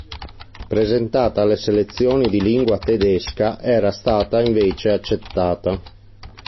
Presentata alle selezioni di lingua tedesca era stata invece accettata.